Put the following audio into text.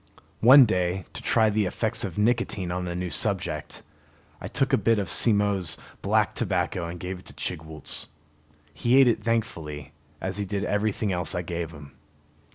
One day, to try the effects of nicotine on a new subject, I took a bit of Simmo's black tobacco and gave it to Chigwooltz. He ate it thankfully, as he did everything else I gave him.